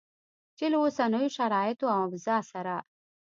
چې له اوسنیو شرایطو او اوضاع سره